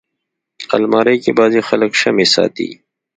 الماري کې بعضي خلک شمعې ساتي